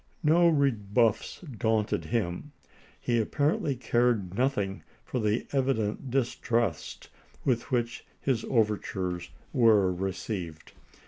No rebuffs daunted him ; he apparently cared no thing for the evident distrust with which his over tures were received.